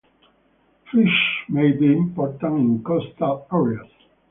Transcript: Fish may be important in coastal areas.